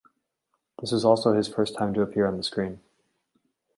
This was also his first time to appear on the screen.